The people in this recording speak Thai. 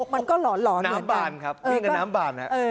มันก็หลอนหลอนเหมือนกันน้ำบ่านครับนี่ก็น้ำบ่านครับเออ